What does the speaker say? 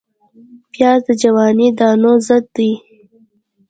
پیاز د جواني دانو ضد دی